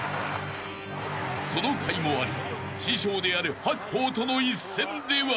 ［そのかいもあり師匠である白鵬との一戦では］